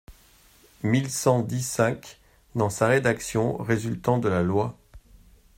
mille cent dix-cinq, dans sa rédaction résultant de la loi.